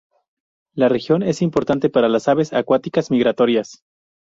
La región es importante para las aves acuáticas migratorias.